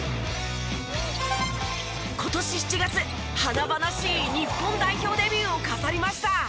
今年７月華々しい日本代表デビューを飾りました。